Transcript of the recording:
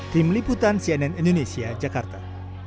tim liputan cnn indonesia jakarta